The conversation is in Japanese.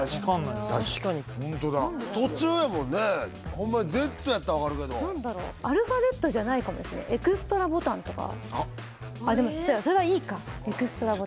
確かにホントだ途中やもんねホンマやＺやったら分かるけどアルファベットじゃないかもしれないあっでもそれはＥかエクストラボタン